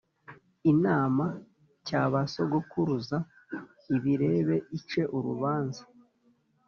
imana c ya ba sogokuruza ibirebe ice urubanza